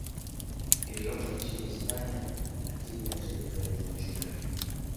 iliyopo nchini Hispania na timu ya taifa ya Argentina.